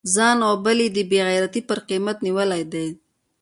ځان او بل یې د بې غیرتی پر قیمت نیولی دی.